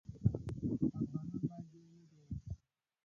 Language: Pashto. افغانان بايد يو موټى اوسې.